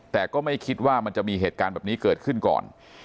แต่ก็ไม่คิดว่ามันจะมีเหตุการณ์แบบนี้เกิดขึ้นก่อน